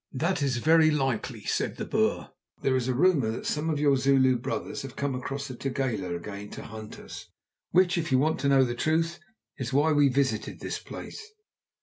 "That is very likely," said the Boer. "There is a rumour that some of your Zulu brothers have come across the Tugela again to hunt us, which, if you want to know the truth, is why we visited this place.